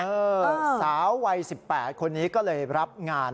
สาววัย๑๘คนนี้ก็เลยรับงาน